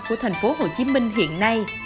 của thành phố hồ chí minh hiện nay